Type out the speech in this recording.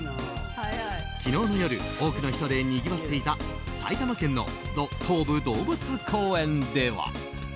昨日の夜多くの人でにぎわっていた埼玉県の東武動物公園では。